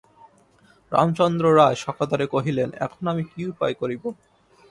রামচন্দ্র রায় সকাতরে কহিলেন, এখন আমি কী উপায় করিব?